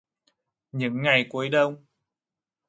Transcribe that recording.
Những ngày cuối Đông